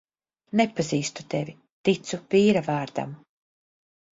Nepazīstu tevi, ticu vīra vārdam.